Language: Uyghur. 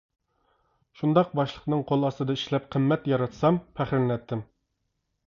شۇنداق باشلىقنىڭ قول ئاستىدا ئىشلەپ قىممەت ياراتسام پەخىرلىنەتتىم!